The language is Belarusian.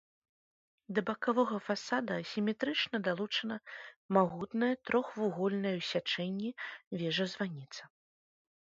Да бакавога фасада асіметрычна далучана магутная, трохвугольная ў сячэнні, вежа-званіца.